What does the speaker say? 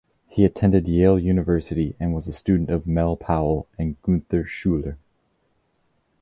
He attended Yale University and was a student of Mel Powell and Gunther Schuller.